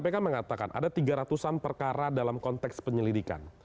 logikanya pimpinan kpk mengatakan ada tiga ratusan perkara dalam konteks penyelidikan